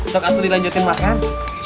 sokak tuh dilanjutin makan